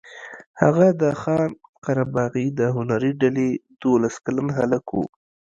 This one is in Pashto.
هغه د خان قره باغي د هنري ډلې دولس کلن هلک و.